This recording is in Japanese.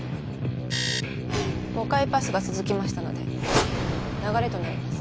５回パスが続きましたので流れとなります。